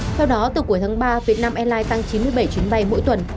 theo đó từ cuối tháng ba việt nam airlines tăng chín mươi bảy chuyến bay mỗi tuần